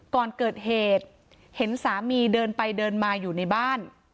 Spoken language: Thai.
ก่อนเกิดเหตุเห็นสามีเดินไปเดินมาอยู่ในบ้าน